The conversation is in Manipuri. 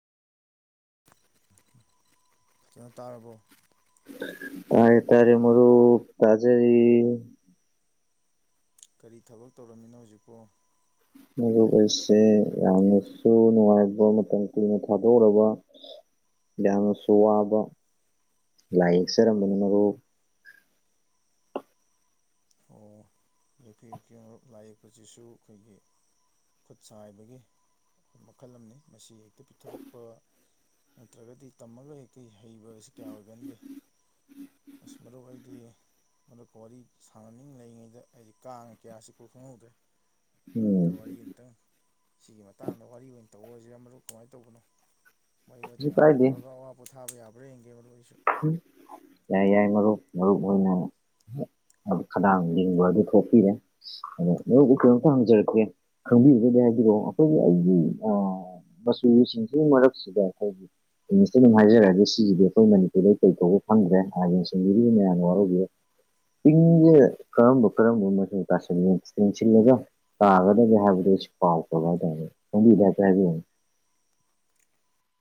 ꯐꯖꯅ ꯇꯥꯔꯕꯣ ꯇꯥꯔꯦ ꯇꯥꯔꯦ ꯃꯔꯨꯞ ꯇꯥꯖꯔꯦ ꯀꯔꯤ ꯊꯕꯛ ꯇꯧꯔꯝꯃꯤꯅꯣ ꯍꯧꯖꯤꯛꯄꯣ ꯃꯔꯨꯞ ꯑꯩꯁꯦ ꯌꯥꯝꯅꯁꯨ ꯅꯨꯡꯉꯥꯏꯕ ꯃꯇꯝ ꯀꯨꯏꯅ ꯊꯥꯗꯣꯛꯎꯔꯕ ꯌꯥꯝꯅꯁꯨ ꯋꯥꯕ ꯂꯥꯏ ꯌꯦꯛꯆꯔꯝꯕꯅꯦ ꯃꯔꯨꯞ ꯑꯣ ꯌꯦꯛꯄꯤꯌꯨ ꯌꯦꯛꯄꯤꯌꯨ ꯂꯥꯏ ꯌꯦꯛꯄꯁꯤꯁꯨ ꯑꯩꯈꯣꯏꯒꯤ ꯈꯨꯠ ꯁꯥ ꯍꯩꯕꯒꯤ ꯈꯨꯠ ꯃꯈꯜ ꯑꯃꯅꯤ ꯃꯁꯤ ꯍꯦꯛꯇ ꯄꯤꯊꯣꯔꯛꯄ ꯅꯠꯇ꯭ꯔꯒꯗꯤ ꯇꯝꯃꯒ ꯍꯦꯛꯇ ꯍꯩꯕꯁꯤ ꯀꯌꯥ ꯑꯣꯏꯒꯟꯗꯦ ꯑꯁ ꯃꯔꯨꯞ ꯑꯩꯗꯤ ꯍꯟꯗꯛꯀ ꯋꯥꯔꯤ ꯁꯥꯟꯅꯅꯤꯡ ꯂꯩꯔꯤꯉꯩꯗ ꯑꯩꯗꯤ ꯀꯥꯡ ꯀꯌꯥ ꯆꯤꯛꯄ ꯈꯪꯍꯧꯗ꯭ꯔꯦ ꯃꯔꯨꯞꯇ ꯎꯝ ꯋꯥꯔꯤ ꯑꯃꯇꯪ ꯁꯤꯒꯤ ꯃꯇꯥꯡꯗ ꯋꯥꯔꯤ ꯑꯣꯏꯅ ꯇꯧꯔꯁꯤ ꯃꯔꯨꯞ ꯀꯃꯥꯏ ꯇꯧꯕꯅꯣ ꯋꯥꯔꯤ ꯀꯩꯁꯨ ꯋꯥꯇꯥꯏ ꯉꯥꯏꯍꯥꯛ ꯀꯥꯏꯗꯦ ꯇꯧꯔꯒ ꯑꯋꯥ ꯄꯣꯊꯥꯕ ꯌꯥꯕ꯭ꯔꯥ ꯌꯦꯡꯒꯦ ꯃꯔꯨꯞ ꯑꯩꯁꯨ ꯌꯥꯏ ꯌꯥꯏ ꯃꯔꯨꯞ ꯃꯔꯨꯞ ꯍꯣꯏꯅ ꯈꯗꯥꯡ ꯂꯤꯡꯕꯗꯨ ꯊꯣꯛꯄꯤꯔꯦ ꯑꯗꯣ ꯅꯕꯨ ꯀꯔꯤꯝꯇ ꯍꯪꯖꯔꯛꯀꯦ ꯈꯪꯕꯤꯔꯒꯗꯤ ꯍꯥꯏꯕꯤꯔꯛꯑꯣ ꯑꯩꯈꯣꯏꯒꯤ ꯑꯩꯒꯤ ꯑꯥ ꯃꯆꯨꯁꯤꯡꯁꯤꯒꯤ ꯃꯔꯛꯁꯤꯗ ꯑꯩꯈꯣꯏꯒꯤ ꯏꯪꯂꯤꯁꯇ ꯑꯗꯨꯝ ꯍꯥꯏꯖꯔꯅꯤ ꯁꯤꯖꯤꯗꯤ ꯑꯩꯈꯣꯏ ꯃꯅꯤ ꯁꯤꯗꯤ ꯀꯩ ꯀꯧꯕꯅꯣ ꯈꯪꯗꯦ [unintelligible] ꯃꯌꯥꯝꯅ ꯋꯥꯔꯧꯕꯤꯔꯣꯢ ꯄꯤꯡꯖꯦ ꯀꯔꯝꯕ ꯀꯔꯝꯕ ꯃꯆꯨ [unintelligible] ꯁꯤꯜꯂꯒ ꯇꯥꯒꯗꯒꯦ ꯍꯥꯏꯕꯗꯨ [unintelligible] ꯍꯥꯏꯇꯥꯔꯦ [unintelligible]